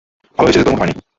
ভালো হয়েছে যে তোর মতো হয় নাই।